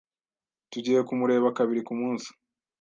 Tugiye kumureba kabiri kumunsi.